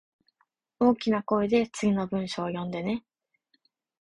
大きな声で次の文章を読んでね